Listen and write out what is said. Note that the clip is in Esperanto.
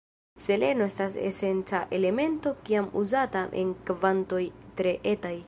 Seleno esta esenca elemento kiam uzata en kvantoj tre etaj.